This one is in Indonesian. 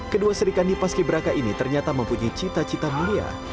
kedua serikandi paski beraka ini ternyata mempunyai cita cita mulia